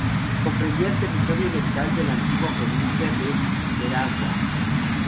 Comprendía el territorio oriental de la antigua provincia de Veraguas.